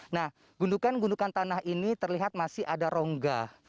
nah gundukan gundukan tanah ini terlihat masih ada rongga